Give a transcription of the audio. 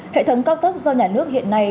hệ thống cao tốc do nhà nước hiện nay